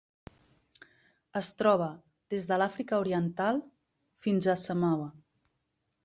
Es troba des de l'Àfrica Oriental fins a Samoa.